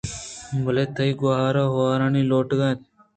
بلےتئی گوٛہار ہورانی لوٹوک اِنت